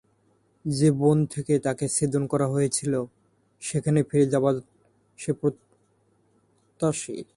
যে-বন থেকে তাকে ছেদন করা হয়েছিল, সেখানেই ফিরে যাবার সে প্রত্যাশী।